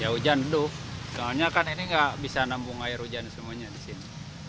ya hujan aduh soalnya kan ini nggak bisa nampung air hujan semuanya di sini